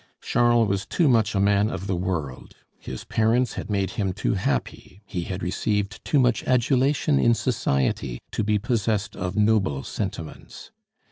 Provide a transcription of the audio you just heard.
'" Charles was too much a man of the world, his parents had made him too happy, he had received too much adulation in society, to be possessed of noble sentiments.